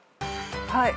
はい。